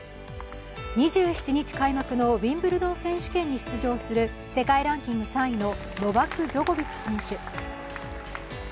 ２７日開幕のウィンブルドン選手権に出場する世界ランク３位のノバク・ジョコビッチ選手。